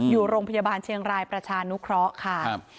อยู่โรงพยาบาลเชียงรายประชานุเคราะห์ค่ะ